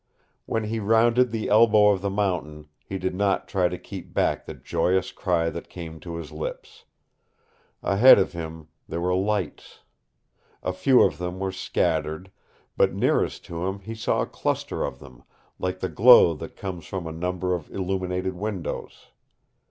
When he rounded the elbow of the mountain, he did not try to keep back the joyous cry that came to his lips. Ahead of him there were lights. A few of them were scattered, but nearest to him he saw a cluster of them, like the glow that comes from a number of illumined windows.